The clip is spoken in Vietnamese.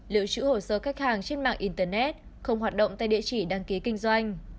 lưu trữ hồ sơ khách hàng trên mạng internet không hoạt động tại địa chỉ đăng ký kinh doanh